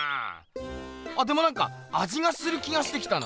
でもなんかあじがする気がしてきたな。